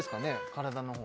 体の方